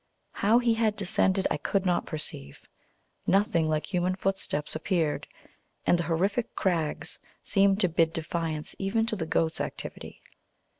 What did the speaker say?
How he had descended I could not perceive; nothing like human footsteps appeared, and the horrific crags seemed to bid defiance even to the goat's activity.